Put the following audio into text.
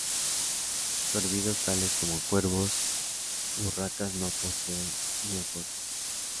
Córvidos tales como cuervos y urracas no poseen neocórtex.